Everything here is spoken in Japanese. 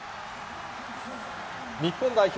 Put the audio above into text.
日本代表